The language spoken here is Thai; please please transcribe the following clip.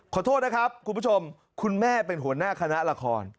ขอโทษนะครับคุณผู้ชมคุณแม่เป็นหัวหน้าคณะละคร